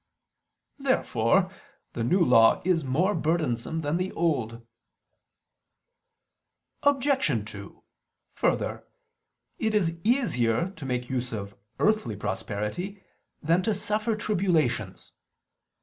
Therefore the New Law is more burdensome than the Old. Obj. 2: Further, it is easier to make use of earthly prosperity than to suffer tribulations.